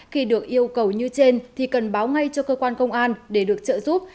khi được yêu cầu như trên thì cần báo ngay cho cơ quan công an để được trợ giúp